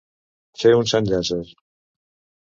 Fet un sant Llàtzer.